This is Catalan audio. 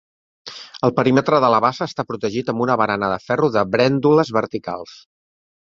El perímetre de la bassa està protegit amb una barana de ferro de brèndoles verticals.